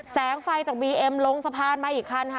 แสงไฟจากบีเอ็มลงสะพานมาอีกคันค่ะ